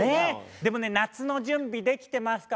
でもね夏の準備できてますか？